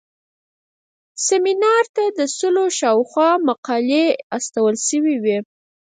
سیمینار ته د سلو شاوخوا مقالې استول شوې وې.